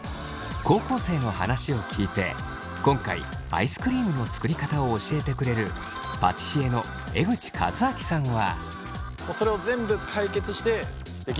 高校生の話を聞いて今回アイスクリームの作りかたを教えてくれるパティシエの江口和明さんは。をご紹介します。